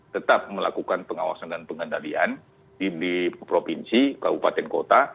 tetap melakukan pengawasan dan pengendalian di provinsi kabupaten kota